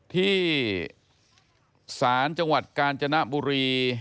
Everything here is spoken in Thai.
ที่ศาลจังหวัดกาญจนบุรี